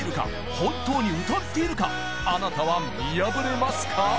本当に歌っているかあなたは見破れますか？